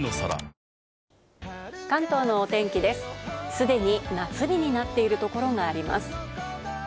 すでに夏日になっているところがあります。